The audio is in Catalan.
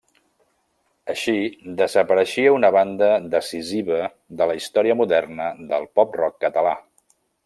Així desapareixia una banda decisiva de la història moderna del pop-rock català.